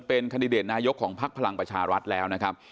เป็นคันดิเดตนายกของพักพลังประชารัฐแล้วนะครับ